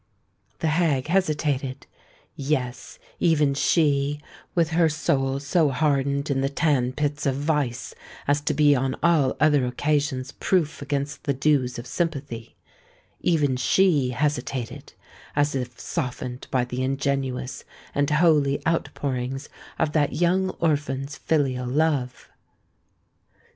The hag hesitated:—yes, even she, with her soul so hardened in the tan pits of vice, as to be on all other occasions proof against the dews of sympathy,—even she hesitated, as if softened by the ingenuous and holy outpourings of that young orphan's filial love.